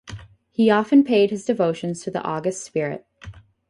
He often paid his devotions to the august spirit.